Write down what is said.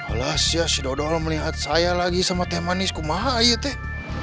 alas ya si dodol melihat saya lagi sama teh manisku mah ayo teh